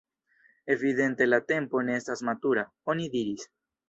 “Evidente la tempo ne estas matura,” oni diris.